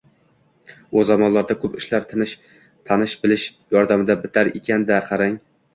U zamonlarda koʻp ishlar tanish-bilish yordamida bitar ekan-da, qarang